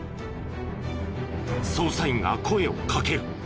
捜査員が声をかける。